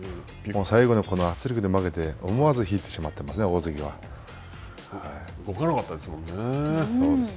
最後の圧力で負けて思わず引いてしまってますね、大動かなかったですもんね。